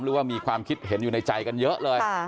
หรือว่ามีความคิดเห็นอยู่ในใจกันเยอะเลย